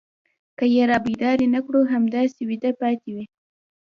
که يې رابيدارې نه کړو همداسې ويدې پاتې وي.